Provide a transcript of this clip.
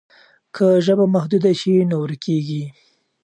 که ژبه محدوده شي نو ورکېږي.